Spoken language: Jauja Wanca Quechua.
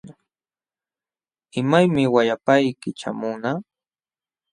¿Imaymi wayapayki ćhaamunqa?